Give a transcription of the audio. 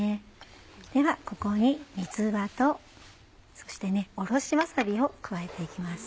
ではここに三つ葉とそしておろしわさびを加えて行きます。